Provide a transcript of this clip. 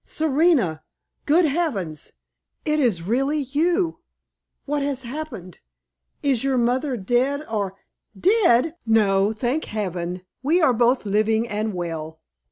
"Serena! Good heavens! It is really you! What has happened? Is your mother dead, or " "Dead? No, thank Heaven we are both living and well.